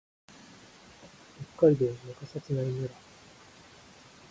北海道中札内村